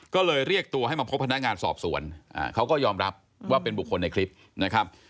ก็เลยเรียกตัวให้มาพบพนักงานสอบสวนเขาก็ยอมรับว่าเป็นบุคคลในคลิปนะครับ